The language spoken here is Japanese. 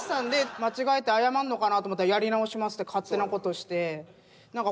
間違えて謝んのかなと思ったらやり直しますって勝手な事して。